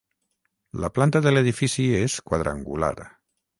La planta de l'edifici és quadrangular.